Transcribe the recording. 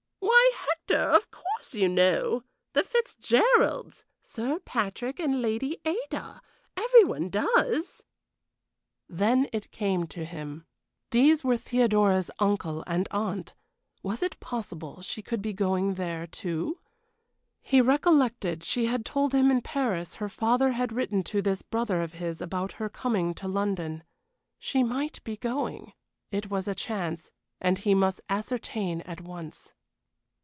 "Why, Hector, of course you know! The Fitzgeralds Sir Patrick and Lady Ada. Every one does." Then it came to him. These were Theodora's uncle and aunt. Was it possible she could be going there, too? He recollected she had told him in Paris her father had written to this brother of his about her coming to London. She might be going. It was a chance, and he must ascertain at once.